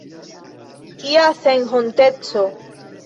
Kia senhonteco!